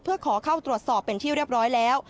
เพื่อขอเข้าตรวจสอบเป็นที่เรียบร้อยแล้ว